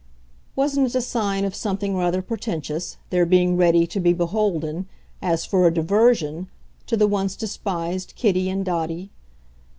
Wasn't it a sign of something rather portentous, their being ready to be beholden, as for a diversion, to the once despised Kitty and Dotty?